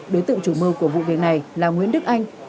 đối tượng chủ mưu của vụ việc này là nguyễn đức anh